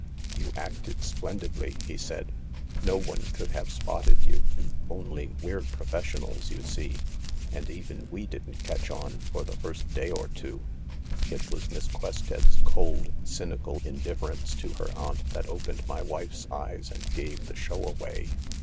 " You acted splendidly," he said. " No one could have spotted you ; only we're professionals, you see— and even we didn't catch on for the first day or two. It was Miss Quested 's cold, cynical indifference to her aunt that opened my wife's eyes and gave the show away."